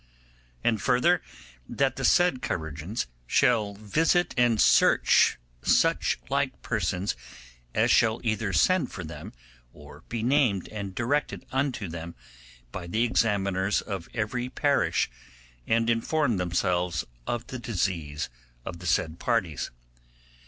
'And further, that the said chirurgeons shall visit and search such like persons as shall either send for them or be named and directed unto them by the examiners of every parish, and inform themselves of the disease of the said parties.